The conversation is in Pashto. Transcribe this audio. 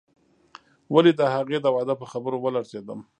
ولې د هغې د واده په خبر ولړزېدم.